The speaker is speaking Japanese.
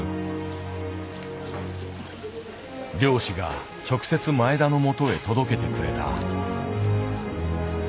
漁師が直接前田のもとへ届けてくれた。